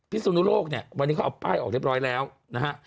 สุนุโลกเนี่ยวันนี้เขาเอาป้ายออกเรียบร้อยแล้วนะฮะ